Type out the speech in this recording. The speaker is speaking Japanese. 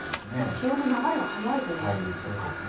潮の流れが速いということですか。